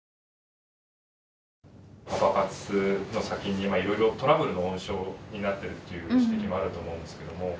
パパ活の先にいろいろトラブルの温床になってるっていう指摘もあると思うんですけども。